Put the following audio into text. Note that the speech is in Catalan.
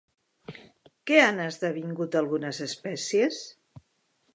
Què han esdevingut algunes espècies?